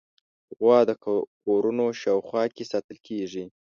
غوا د کورونو شاوخوا کې ساتل کېږي.